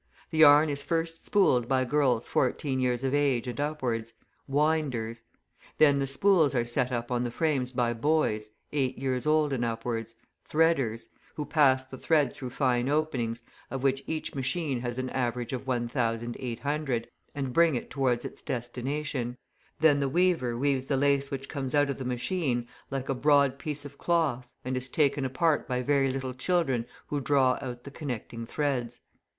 The yarn is first spooled by girls fourteen years of age and upwards, winders; then the spools are set up on the frames by boys, eight years old and upwards, threaders, who pass the thread through fine openings, of which each machine has an average of 1,800, and bring it towards its destination; then the weaver weaves the lace which comes out of the machine like a broad piece of cloth and is taken apart by very little children who draw out the connecting threads.